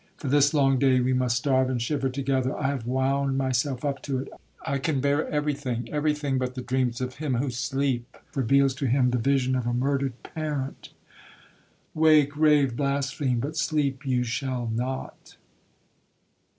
For this long day we must starve and shiver together, I have wound myself up to it. I can bear every thing,—every thing but the dreams of him whose sleep reveals to him the vision of a murdered parent. Wake,—rave,—blaspheme,—but sleep you shall not!'